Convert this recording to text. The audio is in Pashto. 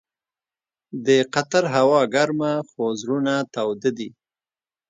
د قطر هوا ګرمه خو زړونه تاوده دي.